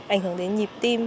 ảnh hưởng đến nhịp tim